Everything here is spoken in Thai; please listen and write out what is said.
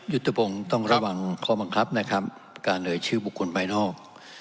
ยุทธพงศ์ต้องระวังข้อบังคับนะครับการเอ่ยชื่อบุคคลภายนอก